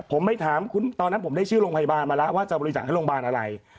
ผมไปถามคุณตอนนั้นผมได้ชื่อโรงพยาบาลมาแล้วว่าจะบริจาคให้โรงพยาบาลอะไร